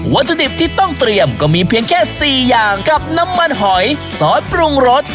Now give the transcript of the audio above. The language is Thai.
วัตถุดิบที่ต้องเตรียมก็มีเพียงแค่๔อย่างกับน้ำมันหอยซอสปรุงรส